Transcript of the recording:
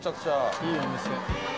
いいお店。